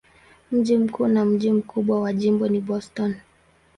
Mji mkuu na mji mkubwa wa jimbo ni Boston.